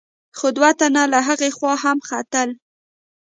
خو دوه تنه له هغې خوا هم ختل.